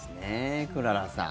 くららさん